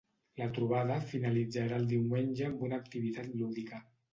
La trobada finalitzarà el diumenge amb una activitat lúdica.